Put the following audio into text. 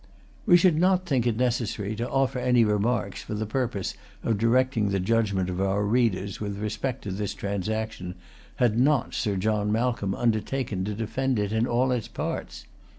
We should not think it necessary to offer any remarks for the purpose of directing the judgment of our readers, with respect to this transaction, had not Sir John Malcolm undertaken to defend it in all its parts.